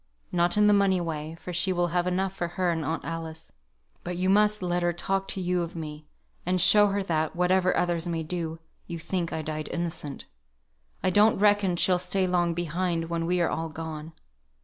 Not in the money way, for she will have enough for her and Aunt Alice; but you must let her talk to you of me; and show her that (whatever others may do) you think I died innocent. I don't reckon she will stay long behind when we are all gone.